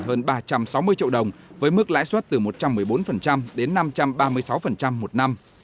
hơn ba trăm sáu mươi triệu đồng với mức lãi suất từ một trăm một mươi bốn đến năm trăm ba mươi sáu một năm